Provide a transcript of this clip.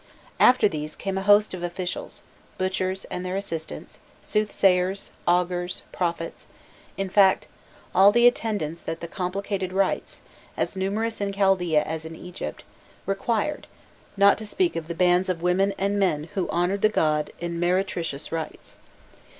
After these came a host of officials, butchers and their assistants, soothsayers, augurs, prophets, in fact, all the attendants that the complicated rites, as numerous in Chaldaea as in Egypt, required, not to speak of the bands of women and men who honoured the god in meretricious rites.